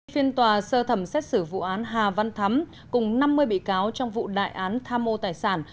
phiên tòa sơ thẩm xét xử vụ án hà văn thắm cùng năm mươi bị cáo trong vụ đại án tham mô tài sản